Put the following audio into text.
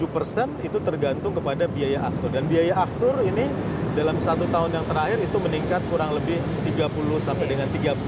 tujuh persen itu tergantung kepada biaya aktor dan biaya aftur ini dalam satu tahun yang terakhir itu meningkat kurang lebih tiga puluh sampai dengan tiga puluh